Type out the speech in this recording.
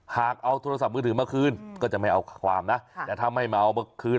หากเอาโทรศัพท์มือถือมาคืนก็จะไม่เอาความนะแต่ถ้าไม่มาเอามาคืน